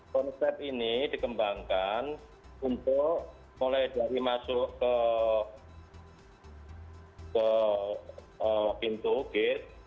konsep ini dikembangkan untuk mulai dari masuk ke pintu gate